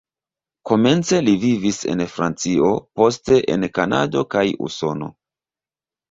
Komence li vivis en Francio, poste en Kanado kaj Usono.